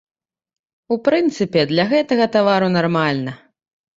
У прынцыпе, для гэтага тавару нармальна.